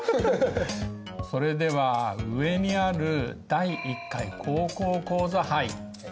それでは上にある「第１回高校講座杯」。